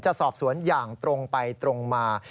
จะสอบสวนอย่างตรงไปตรงมา